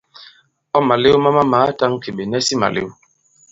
Ɔ̂ màlew ma mamàa i tāŋki, ɓè nɛsi malew.